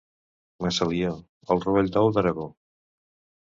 Massalió, el rovell d'ou d'Aragó.